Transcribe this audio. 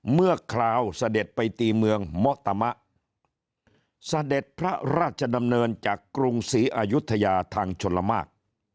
คราวเสด็จไปตีเมืองมะตามะเสด็จพระราชดำเนินจากกรุงศรีอายุทยาทางชลมาก